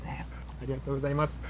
ありがとうございます。